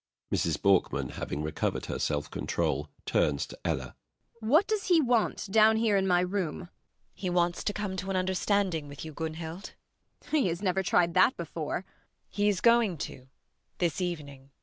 MRS. BORKMAN. [Having recovered her self control, turns to ELLA.] What does he want down here in my room? ELLA RENTHEIM. He wants to come to an understanding with you, Gunhild. MRS. BORKMAN. He has never tried that before. ELLA RENTHEIM. He is going to, this evening.